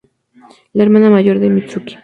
La hermana mayor de Mitsuki.